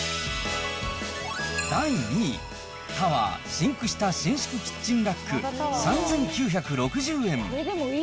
第２位、タワーシンク下伸縮キッチンラック３９６０円。